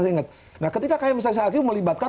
nah ketika kay misalkan melibatkan